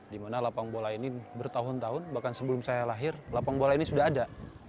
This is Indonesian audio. dimana lapang bola ini bertahun tahun bahkan sebelum saya lahir lapang bola ini sudah ada